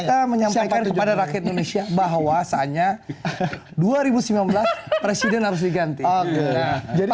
kita menyampaikan kepada rakyat indonesia bahwasannya dua ribu sembilan belas presiden harus diganti